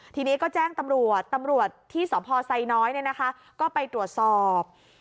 ทีนี้ก็แจ้งตำรวจตำรวจที่สพไซน้อยก็ไปตรวจสอบ